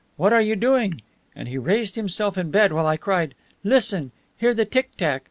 What are you doing?' And he raised himself in bed, while I cried, 'Listen! Hear the tick tack.